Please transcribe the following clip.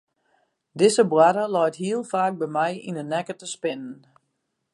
Dizze boarre leit hiel faak by my yn de nekke te spinnen.